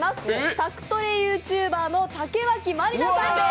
宅トレＹｏｕＴｕｂｅｒの竹脇まりなさんです。